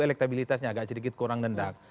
elektabilitasnya agak sedikit kurang nendang